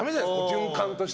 循環として。